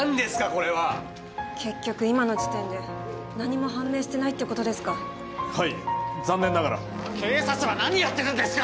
これは結局今の時点で何も判明してないってことですかはい残念ながら警察は何やってるんですか！